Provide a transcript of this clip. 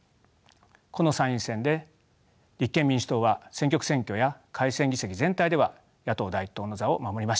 この参院選で立憲民主党は選挙区選挙や改選議席全体では野党第一党の座を守りました。